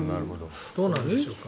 どうなんでしょうか。